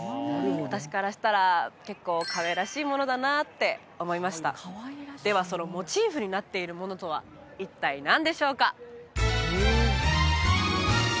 私からしたら結構かわいらしいものだなって思いましたではそのモチーフになっているものとは一体何でしょうか？